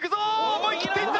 思い切っていった！